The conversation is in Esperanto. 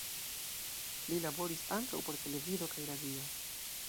Li laboris ankaŭ por televido kaj radio.